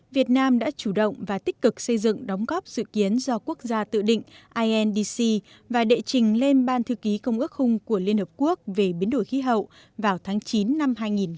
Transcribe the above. việt nam đã chủ động và tích cực xây dựng đóng góp dự kiến do quốc gia tự định indc và đệ trình lên ban thư ký công ước khung của liên hợp quốc về biến đổi khí hậu vào tháng chín năm hai nghìn hai mươi